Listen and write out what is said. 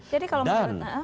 jadi kalau menurut